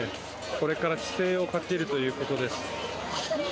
これから規制をかけるということです。